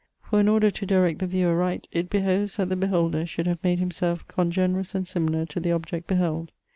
For in order to direct the view aright, it behoves that the beholder should have made himself congenerous and similar to the object beheld.